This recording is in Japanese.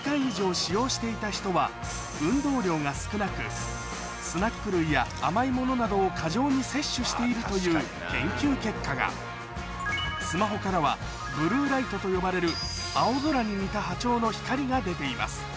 スマホをスナック類や甘いものなどを過剰に摂取しているという研究結果がスマホからはブルーライトと呼ばれる青空に似た波長の光が出ています